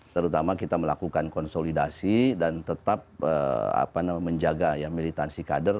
terutama kita melakukan konsolidasi dan tetap menjaga militansi kader